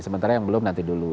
sementara yang belum nanti dulu